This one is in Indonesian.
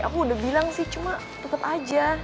aku udah bilang sih cuma tetep aja